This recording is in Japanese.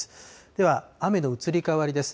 では雨の移り変わりです。